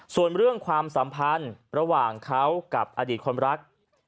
ส่วนเรื่องความสัมพันธ์ระหว่างเขากับอดีตคนรัก